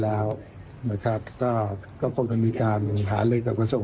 ตามขั้นตอนของการจับตั้งรัฐบาล